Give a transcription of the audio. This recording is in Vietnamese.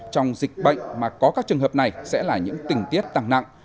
trong dịch bệnh mà có các trường hợp này sẽ là những tình tiết tăng nặng